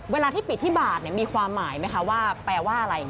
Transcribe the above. เวลาที่ปิดที่บาทมีความหมายไหมคะว่าแปลว่าอะไร